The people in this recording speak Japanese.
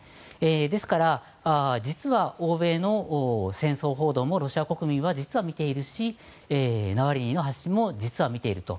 ですから、実は欧米の戦争報道もロシア国民は実は見ているしナワリヌイの発信も実は見ていると。